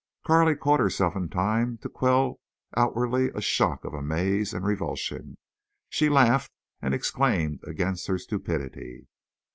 Carley caught herself in time to quell outwardly a shock of amaze and revulsion. She laughed, and exclaimed against her stupidity.